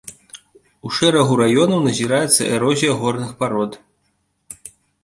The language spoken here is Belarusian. У шэрагу раёнаў назіраецца эрозія горных парод.